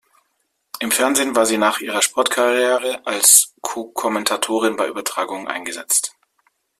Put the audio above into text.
Im Fernsehen war sie nach ihrer Sportkarriere als Co-Kommentatorin bei Übertragungen eingesetzt.